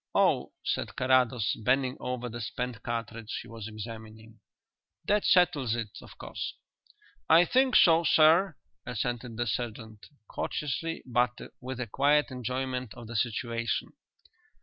"Oh," said Carrados, bending over the spent cartridge he was examining, "that settles it, of course." "I think so, sir," assented the sergeant, courteously but with a quiet enjoyment of the situation.